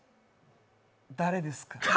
誰ですか？